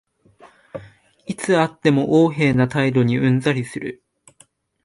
いつ会っても横柄な態度にうんざりする